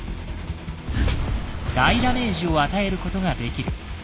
大ダメージを与えることができる。